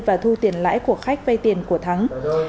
và thu tiền lãi của khách vay tiền của cô gái